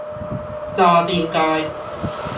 渣甸街